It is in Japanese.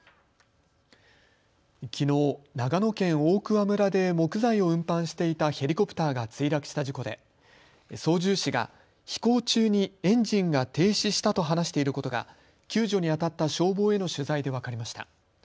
きのう、長野県大桑村で木材を運搬していたヘリコプターが墜落した事故で操縦士が飛行中にエンジンが停止したと話していることが救助にあたった消防への取材で分かりました。